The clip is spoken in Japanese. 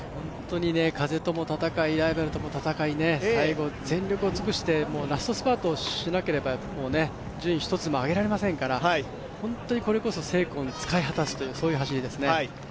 本当に風とも戦い、ライバルとも戦い、最後、全力を尽くしてラストスパートしなければ順位１つも上げられませんから、これこそ精根使い果たすという走りですね。